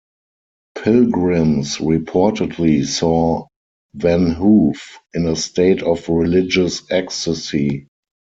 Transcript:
Pilgrims reportedly saw Van Hoof in a state of religious ecstasy.